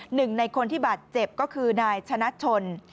หนึ่งในคนที่บาดเจ็บก็คือนายชนะชน